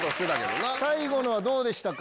最後のはどうでしたか？